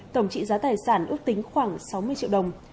tổng trị giá tài sản ước tính khoảng sáu mươi triệu đồng